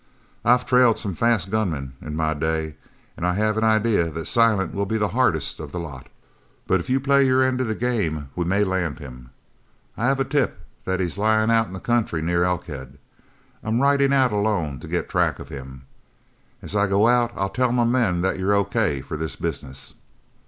I've trailed some fast gunmen in my day, and I have an idea that Silent will be the hardest of the lot; but if you play your end of the game we may land him. I have a tip that he's lying out in the country near Elkhead. I'm riding out alone to get track of him. As I go out I'll tell my men that you're O.K. for this business."